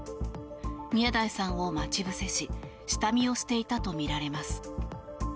宮台さんを待ち伏せし下見をしていたとみられます。